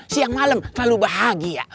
siang malem selalu bahagia